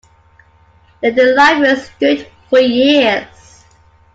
There the library stood for years.